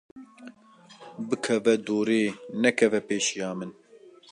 Bikeve dorê, nekeve pêşiya min.